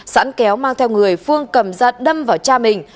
sẵn kéo mang theo người phương cầm ra đâm vào cha mình